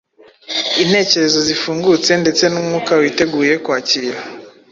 intekerezo zifungutse ndetse n’umwuka witeguye kwakira.